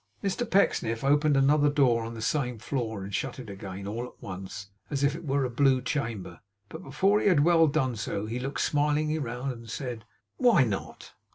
Mr Pecksniff opened another door on the same floor, and shut it again, all at once, as if it were a Blue Chamber. But before he had well done so, he looked smilingly round, and said, 'Why not?